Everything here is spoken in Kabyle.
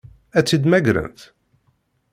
Ad tt-id-mmagrent?